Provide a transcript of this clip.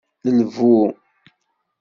Lbu.